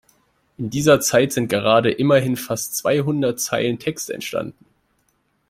In dieser Zeit sind gerade immerhin fast zweihundert Zeilen Text entstanden.